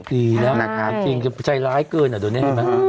ดีนะครับจริงใจร้ายเกินอ่ะดูนี่เห็นไหม